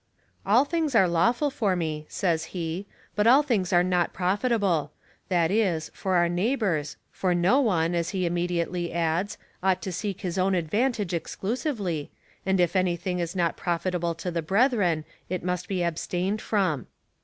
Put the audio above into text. A II things are lawful for me, says he, hut all things are not profitable, that is, for our neighbours, for no one, as he immediately adds, ought to seek his own advantage exclu sively, and if anything is not profitable to the brethren, it must be abstained from.